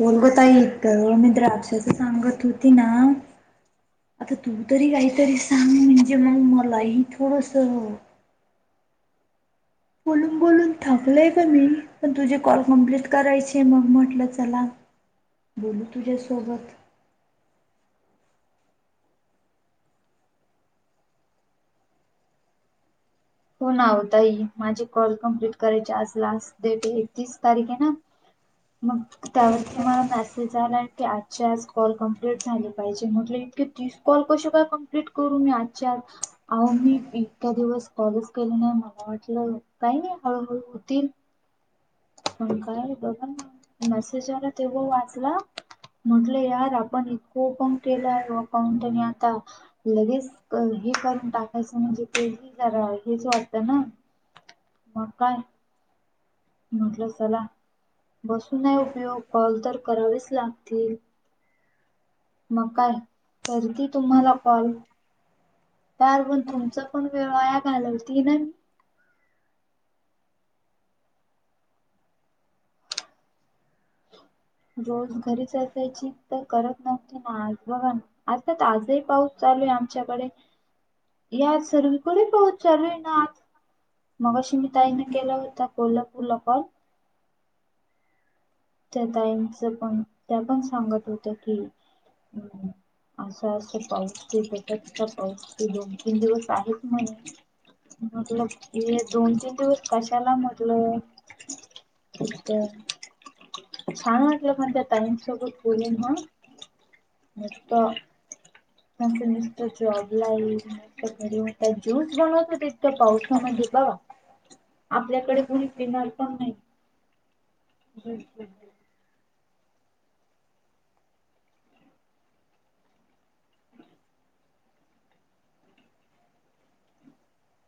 बोलगताई परवा मी द्राक्षाच सांगत होती ना. आता तू तरी काहीतरी सांग म्हणजे मग मलाही थोडस- बोलून बोलून थकलंय गं मी पण तुझी कॉल कमप्लीट करायचे मग म्हटलं चला- बोलू तुझ्यासोबत हो ना होता हई माझे कॉल कम्प्लीट करायचे आज लास्ट डेट आहे. तीस तारीख आहे ना? मग त्यावरती मला मेसेज आला. आजच्या आज कॉल कंप्लीट झाली पाहिजे, म्हट इत ती कॉल कशी काय कंप्ट करू मी आजच्या, अहो मी एका दिवस कॉलेज केले नाही मला वाटलं काही हळूहळू होतील. मग काय बघ मसेज आला तेव्हा वाचला म्हटलं यार आपण इतकं प केलं आहे अकाउंटनी आता. लगेच हे करून टाकायचं म्हणजे ते जरा हेच वाटतं ना. मग काय म्हटलं चला बसून नाही उपयोग कॉल तर करावेच लागतील. मग काय करती तुम्हाला कॉल. काय पण तुमचा पण वेळ वाया घालवतील ना. रोज घरीच असायची तर करत नव्हती ना आज बघ आज आजही पाऊस चालू आहे आमच्याकडे या सर्वकडे पाहत चालू आहे ना आत मगाशी मी ताईंना केला होता कोल्हापूरला कॉल त्या ताईंचं पण त्या पण सांगत होत्या की असं असं पाऊस ते ट पाऊसन तीन दिवस आहेच म्हण म्हटलं हे दोन तीन दिवस कशाला म्हटलंत छानूलाोकनच्या टाइम सबूत क ना नत ये म त्या जुस बनावत त तर पाऔस म ठ ब आपल्याकडे कोुणी फिनल पण नाही हम हम ह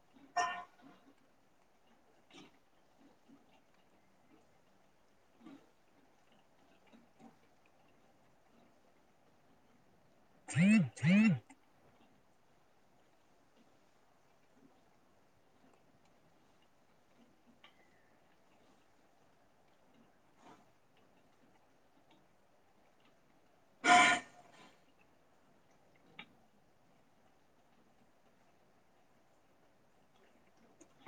हम थ थ हम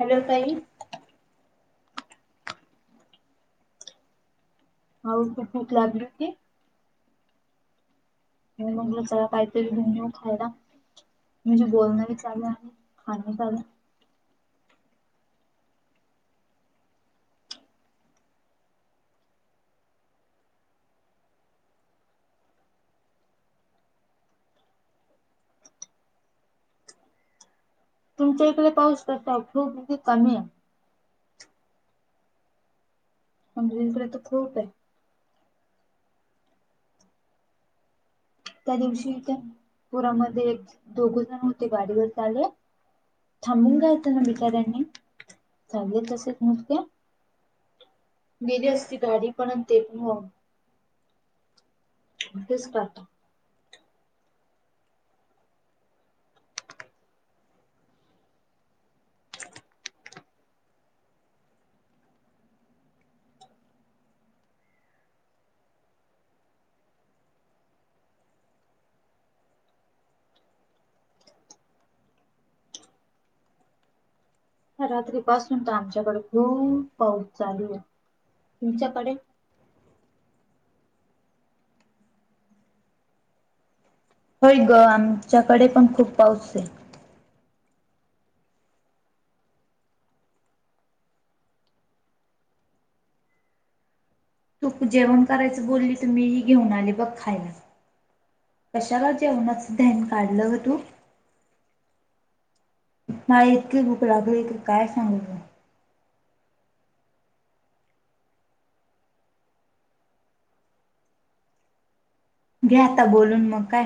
हॅलो ताई हो तू भूक लागलू की म म्हटलं चला काहीतरी घन घेऊ खायला म्हणजे बोलणं बी चाल आणि खाणं चालं तुमच्या इकडे पाऊस कतो फूप कती कमी आहे म्हणज तर खोप आहे त्या दिवशी त्या पुरामध्ये एक दोघ जण होते गाडीवर चाले थांबून घयचं ना बिचार्यांनी सांगले तसेच नस्या गेली असती गाडी पण ते प मग तेच पातो रात्री पासून तर आमच्याकडे खूप पाऊस चालू आहे तुमच्याकडे होय ग आमच्याकडे पण खूप पाऊस आहे तूप जेवण करायचं बोलली तर मीही घेऊन बघ कशाला जेवणाच ध्यान काढलं होत नाही इतकी भूक लागली की काय सांगल घ्या आता बोलून मग काय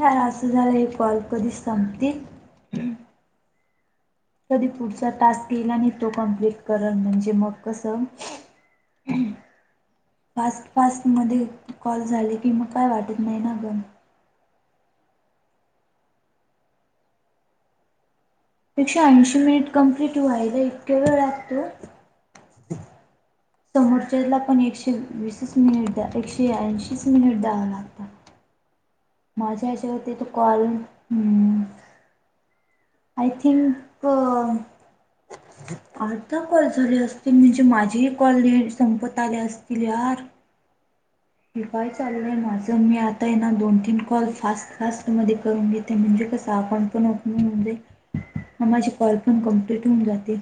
ह असं झाला हे कॉल कधी संपतील कधी पुढचा तास तेला आणि तो कंप्लीट करण म्हणजे मग कसं फास्टफास्ट मध्ये कॉल झाले की मग काय वाटत नाही ना गन एकशे ऐंशी मिनिट कंप्लीट व्हायला इतके वेळ लागतो समोरच्याला पण एकशे वीसस मिनिट द्या एकशे ऐंशीच मिनिट द्यावं लागत मजा अशी होती तू कून हम्म आय थिंक अर्धा पल झाली असती म्हणजे माझ्या माझी कॉल लिस्ट संपत आली असतील यार. हे काय चाललंय माझं मी आता यानां दोन तीन कॉल फास्ट फास्ट मध्ये करून घेते म्हणजे कसं आपण कोण ऊपणीगं म्हणजे [unintelligible] म माझी कॉल पण कमप्लीट होऊन जातील.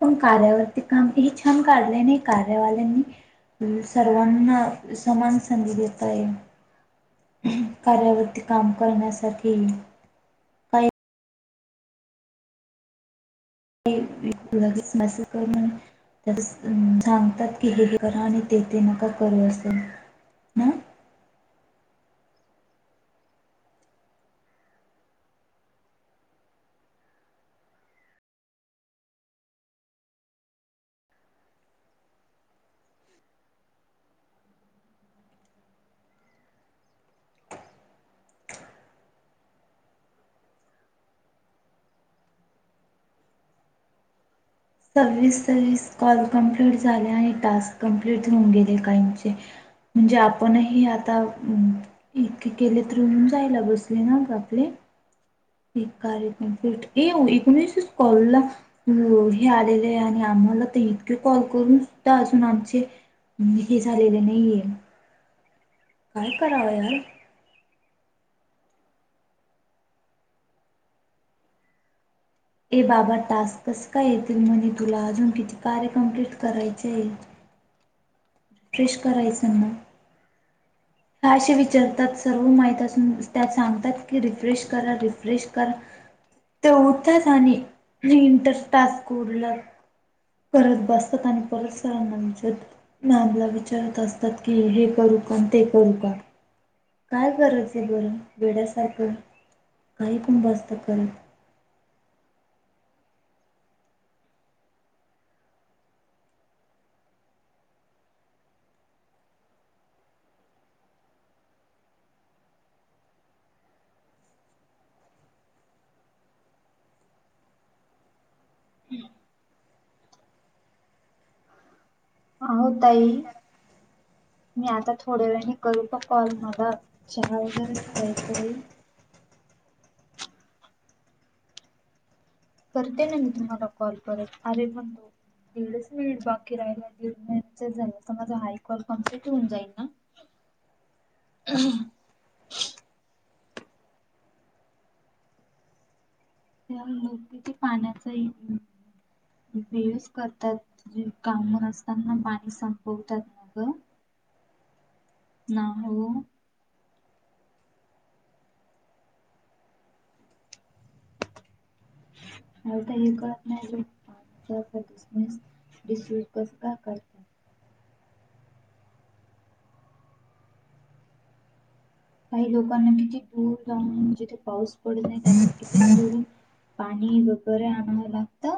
पण कार्यावरती काम हे छान काढलंय ना कार्यावाल्यांनी सर्वांना समान संधी देता येईल. कार्या वरती काम करण्यासाठी काही कि लगेच मेसेज कर [unintelligible] त्यात असं सांगतात की, हे हे करा आणि ते ते नका करू असं. ना सव्वीस सव्वीस, कॉल कम्प्लीट झाले आणि टास्क कमप्लीट होऊन गेले काहीचे म्हणजे आपणही आता एकेक केले तर होऊन जायला बसले ना आपले एक कार्य कम्प्लीट, एव एकोणिसच ‍ काॅलला एव्हढे आलेले आणि आम्हाला त इत के कॉल करून सुद्धा अजून आमचे हे झालेले नाहीये काय कराव यार? ए बाबा टास्क कस काय येतील? म्हणे तुला, अजून किती कार्य कंप्लीट करायचे आहेत? फ्रेश कराय सांगा. का असं विचारतात सर्व माहित असून, त्यात सांगतात की रिफ्रेश करा रिफ्रेश करा. ते उठतात आणि मी इंटस टास्क [unintelligible] परत बसतात आणि परत सरांना विचारतात. मॅमला विचारत असतात की, हे करू का? न ते करू का? काय गरज आहे बरं! वेड्यासारखं काही बसतात करत [inaudible] अहो ताई मी आता थोड्या वेळाने करू का कॉल तुम्हाला? चहा वगैरे ठेवायचा आहे करते ना मी तुम्हाला कॉल करत. अरे पण दीडच मिनिट बाकी राहिला आहे. दीड मिनिटच झालं तर माझा हा एक काॅल कमप्लीट होऊन जाईल ना? [inaudible] [inaudible] किती पाण्याचाही किती यूज करतात, जे काम नसताना पाणी संपवतात ना गं. ना हो. मला तर हे कळत नाही अजून पण. [unintelligible] डिस युज कसं काय कर काही लोकांना किती दूर जाऊून, जिथे पाऊस पडत नाही त्यांना किती दूर पाणी वगैरे आणव लागत.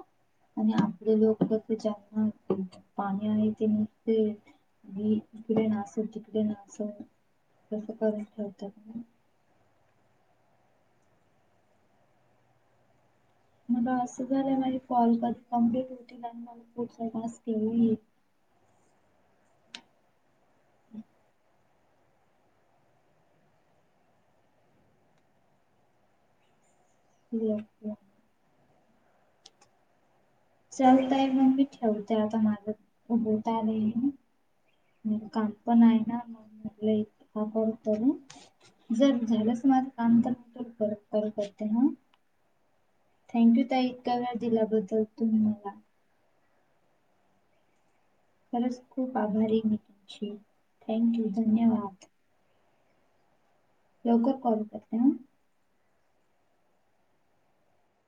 आणि आपले लोक की ज्यांना पाणी आहे ते नुसते [unintelligible] इकडे नासव, तिकडे नासव कसं करून ठेवतात न? मला अस झालय ना की कॉल कधी कंप्लीट होतील आणि मला पुढचा टाॅस्क केव्हा येईल? हम्म. [unintelligible] चल ताई मग करत मी ठेवते आता, माझं होत आलंय मग काम पण आहे ना, मग म्हटलं एक कॉल करू जर झालंच माझं काम तर तुला परत कॉल करते ह्. थँक यू ताई, इतका वेळ दिल्याबद्दल तुम्ही मला. खच खूप आभारी आहे मी तुमची. थँक यू, धन्यवाद! लवकर कॉल करते ह.